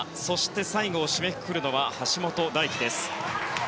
最後を締めくくるのは橋本大輝です。